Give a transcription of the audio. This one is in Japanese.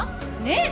ねえ？